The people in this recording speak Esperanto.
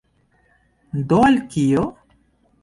Do al kio?